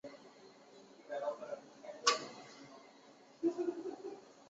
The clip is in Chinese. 道路和铁路网络也可以连接其他市区。